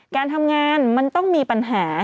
การทำงานมันต้องมีปัญหา